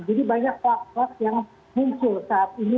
jadi banyak kualitas yang muncul saat ini